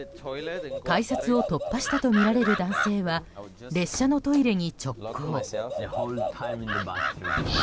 改札を突破したとみられる男性は列車のトイレに直行。